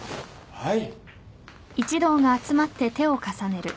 はい。